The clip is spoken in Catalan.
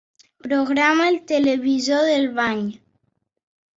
Programa el televisor del bany.